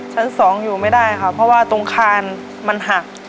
ชั้นสองอยู่ไม่ได้ค่ะเพราะว่าตรงคานมันหัก